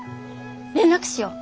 連絡しよう